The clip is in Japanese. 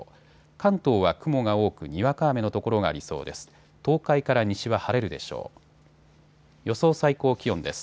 関東は雲が多くにわか雨の所がありそうです。